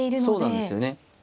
そうなんですよね。